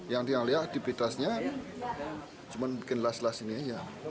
yang dia lihat aktivitasnya cuma bikin las las ini aja